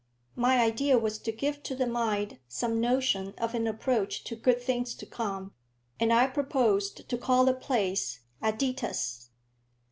My idea was to give to the mind some notion of an approach to good things to come, and I proposed to call the place "Aditus."